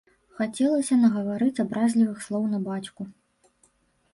Хацелася нагаварыць абразлівых слоў на бацьку.